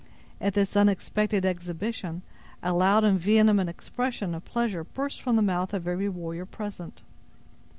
At this unexpected exhibition, a loud and vehement expression of pleasure burst from the mouth of every warrior present.